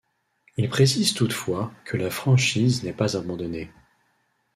Il précise toutefois que la franchise n'est pas abandonnée.